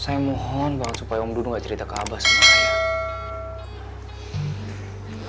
saya mohon banget supaya om dudung gak cerita ke abah sama raya